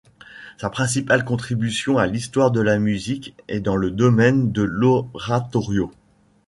Sa principale contribution à l'histoire de la musique est dans le domaine de l'oratorio.